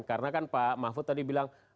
karena kan pak mahfud tadi bilang